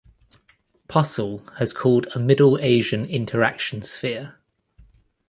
Possehl has called a "Middle Asian Interaction Sphere".